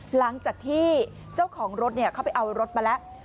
หลังจากที่เจ้าของรถเขาไปเอารถมาแล้ว